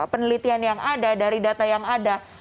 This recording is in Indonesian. penelitian yang ada dari data yang ada